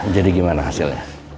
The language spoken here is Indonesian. jadi gimana hasilnya